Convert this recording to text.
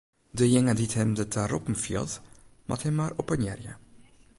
Dejinge dy't him derta roppen fielt, moat him mar oppenearje.